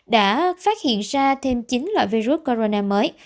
đã phát hiện ra thêm chín loại virus corona mới